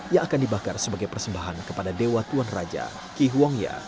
yang akan dibakar sebagai persembahan kepada dewa tuan raja ki huang ya